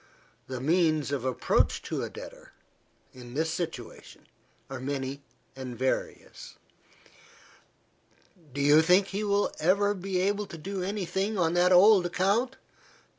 The means of approach to a debtor, in this situation, are many and various. "Do you think you will ever be able to do any thing on that old account?"